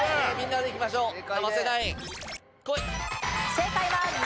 正解は虹。